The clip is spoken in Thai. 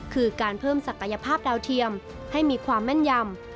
คือการเพิ่มศักยภาพดาวเทียมให้มีความแม่นยำ